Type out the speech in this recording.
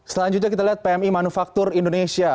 selanjutnya kita lihat pmi manufaktur indonesia